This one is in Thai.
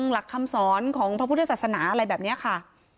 หลักคำสอนของพระพุทธศาสนาอะไรแบบนี้ค่ะ